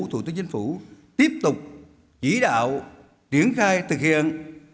thủ tướng chính phủ tiếp tục chỉ đạo triển khai thực hiện